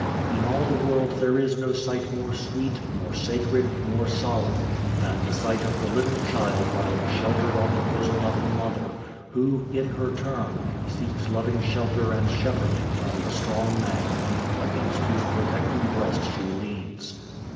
In all the world there is no sight more sweet, more sacred, more solemn, than the sight of the little child lying sheltered on the bosom of the mother, who, in her turn, seeks loving shelter and shepherding from the strong man against whose protecting breast she leans.